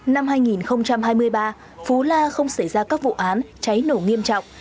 năm hai nghìn hai mươi ba phú la không xảy ra các vụ án cháy nổ nghiêm trọng